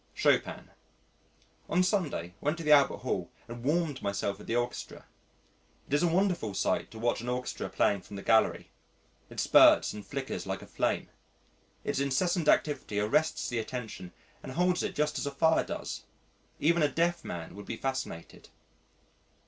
Chopin On Sunday, went to the Albert Hall, and warmed myself at the Orchestra. It is a wonderful sight to watch an orchestra playing from the gallery. It spurts and flickers like a flame. Its incessant activity arrests the attention and holds it just as a fire does even a deaf man would be fascinated.